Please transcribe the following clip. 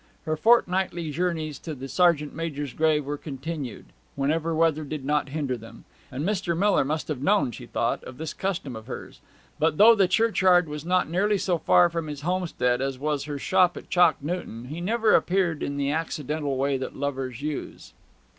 Her fortnightly journeys to the sergeant major's grave were continued, whenever weather did not hinder them; and Mr. Miller must have known, she thought, of this custom of hers. But though the churchyard was not nearly so far from his homestead as was her shop at Chalk Newton, he never appeared in the accidental way that lovers use.